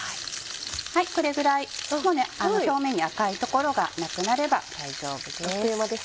これぐらい表面に赤い所がなくなれば大丈夫です。